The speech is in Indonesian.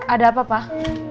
ada apa pak